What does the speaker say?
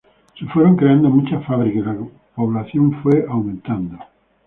Se fueron creando muchas fábricas y la población fue aumentando.